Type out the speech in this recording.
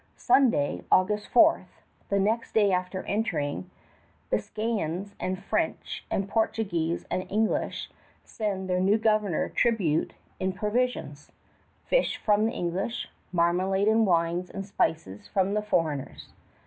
Sunday, August 4, the next day after entering, Biscayans and French and Portuguese and English send their new Governor tribute in provisions, fish from the English, marmalade and wines and spices from the foreigners.